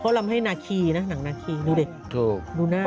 เพราะเรามย์ให้หน้าคีนะหนังน้าคีดูได้